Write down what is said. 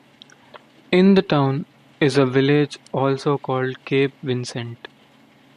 In the town is a village also called Cape Vincent.